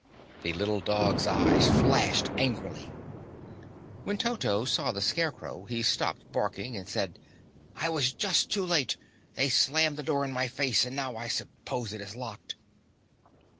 The little dog's eyes flashed angrily. When Toto saw the Scarecrow, he stopped barking and said, "I was just too late. They slammed the door in my face and now I suppose it is locked."